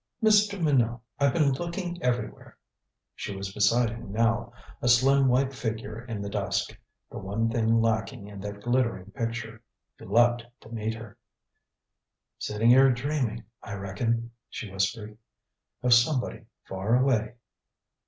"Mr. Minot I've been looking everywhere " She was beside him now, a slim white figure in the dusk the one thing lacking in that glittering picture. He leaped to meet her. "Sitting here dreaming, I reckon," she whispered, "of somebody far away."